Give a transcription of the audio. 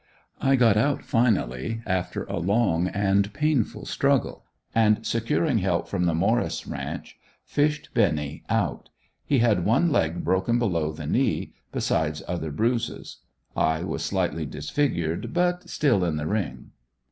I got out finally after a long and painful struggle; and securing help from the Morris ranch, fished Benny out. He had one leg broken below the knee, besides other bruises. I was slightly disfigured, but still in the ring.